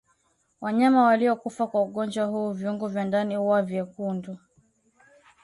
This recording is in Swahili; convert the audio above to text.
Wanyama waliokufa kwa ugonjwa huu viungo vya ndani huwa vywekundu